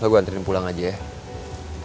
lo gue anterin pulang aja ya